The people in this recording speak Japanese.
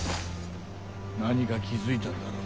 何か気付いたんだろう？